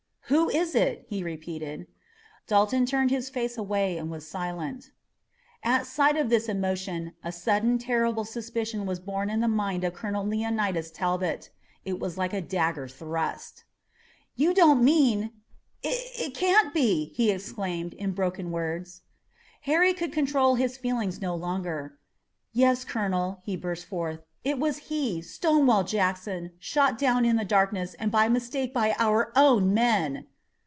"Who was it?" he repeated. Dalton turned his face away, and was silent. At sight of this emotion, a sudden, terrible suspicion was born in the mind of Colonel Leonidas Talbot. It was like a dagger thrust. "You don't mean it can't be " he exclaimed, in broken words. Harry could control his feelings no longer. "Yes, Colonel," he burst forth. "It was he, Stonewall Jackson, shot down in the darkness and by mistake by our own men!"